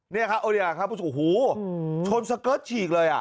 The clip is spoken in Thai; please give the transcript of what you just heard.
เฮ้ยชนสเกิร์จฉีกเลยอ่ะ